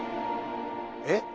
えっ？